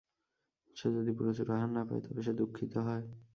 সে যদি প্রচুর আহার না পায়, তবে সে দুঃখিত হয়।